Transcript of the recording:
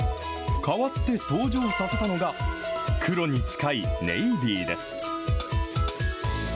代わって登場させたのが、黒に近いネイビーです。